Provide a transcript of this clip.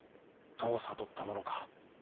どう悟ったものか